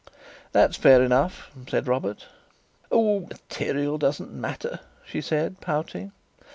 "That's fair enough," said Robert. "Oh, material doesn't matter!" she said, pouting.